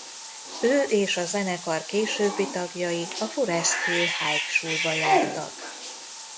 Ő és a zenekar későbbi tagjai a Forrest Hill High Schoolba jártak.